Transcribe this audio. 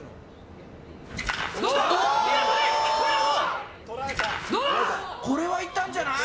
きた、これはいったんじゃない？